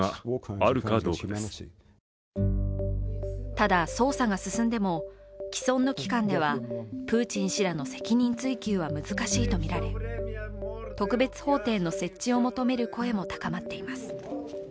ただ捜査が進んでも、既存の機関ではプーチン氏らの責任追及は難しいとみられ、特別法廷の設置を求める声も高まっています。